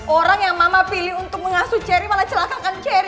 orang yang mama pilih untuk mengasuh cherry malah celaka kan cherry